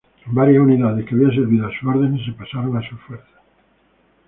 Varias unidades que habían servido a sus órdenes se pasaron a sus fuerzas.